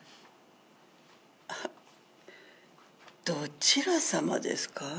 どちらさまですか？